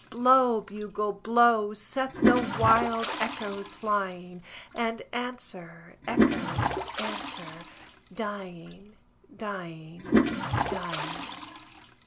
Blow, bugle, blow, set the wild echoes flying, And answer, echoes, answer, dying, dying, dying.